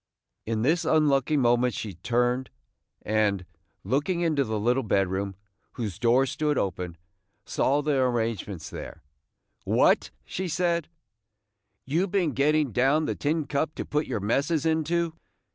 In this unlucky moment she turned, and, looking into the little bedroom, whose door stood open, saw the arrangements there. "What!" she said; "you been getting down the tin cup to put your messes into?